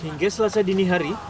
hingga selasa dini hari